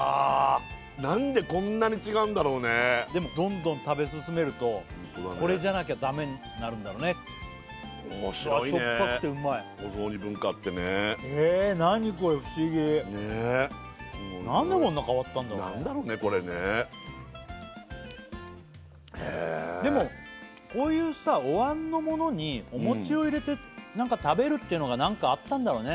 なんでこんなに違うんだろうねでもどんどん食べ進めるとこれじゃなきゃダメになるんだろうねしょっぱくてうまいお雑煮文化ってねねえすごいなんでこんな変わったんだろうなんだろうねこれねでもこういうさお椀のものにお餅を入れて食べるっていうのが何かあったんだろうね